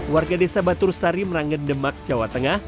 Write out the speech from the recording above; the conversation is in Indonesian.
warga desa batur sari meranggen demak jawa tengah